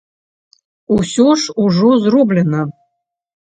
Усё ж ужо зроблена.